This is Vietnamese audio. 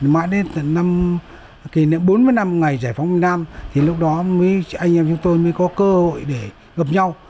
mãi đến tận năm kỷ niệm bốn mươi năm ngày giải phóng miền nam thì lúc đó anh em chúng tôi mới có cơ hội để gặp nhau